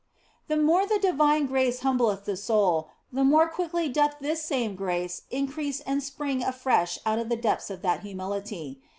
The more the divine grace humbleth the soul, the more quickly doth this same grace increase and spring afresh out of the depths of that humility.